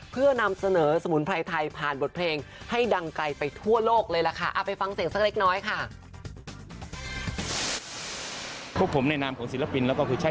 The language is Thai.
เพื่อนำเสนอสมุนไพรไทยผ่านบทเพลงให้ดังไกลไปทั่วโลกเลยล่ะค่ะ